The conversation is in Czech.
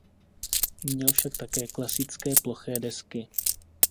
Měl však také "klasické" ploché desky.